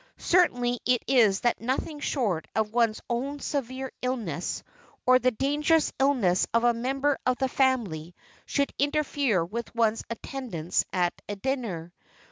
Certain it is that nothing short of one's own severe illness or the dangerous illness of a member of the family should interfere with one's attendance at a dinner.